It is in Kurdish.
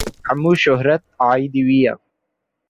Hemû şohret aîdî wî ye.